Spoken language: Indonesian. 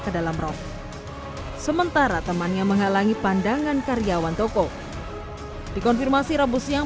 ke dalam rok sementara temannya menghalangi pandangan karyawan toko dikonfirmasi rabu siang